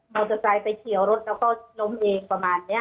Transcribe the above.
มอเตอร์ไซค์ไปเฉียวรถแล้วก็ล้มเองประมาณนี้